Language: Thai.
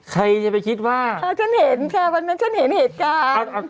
ใครจะไปคิดว่าฉันเห็นค่ะวันนั้นฉันเห็นเหตุการณ์